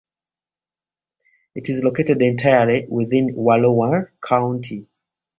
It is located entirely within Wallowa County.